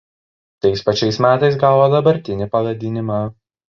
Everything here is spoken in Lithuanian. Tais pačiais metais gavo dabartinį pavadinimą.